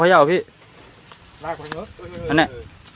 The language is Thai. มาลักษณะนี้ก็น่าตัวนอนขึ้น